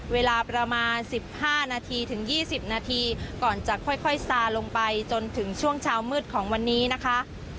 เวลาประมาณสิบห้านาทีถึงยี่สิบนาทีก่อนจะค่อยค่อยสารลงไปจนถึงช่วงเช้ามืดของวันนี้นะคะ